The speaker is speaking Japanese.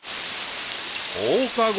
［放課後］